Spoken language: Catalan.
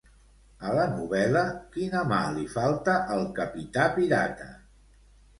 A la novel·la, quina mà li falta al capità pirata?